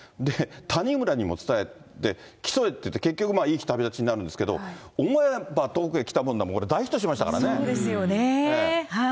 谷村にも伝えて競えっていって、結局、いい日旅立ちになるんですけど、思えば遠くに来たもんだもそうですよね。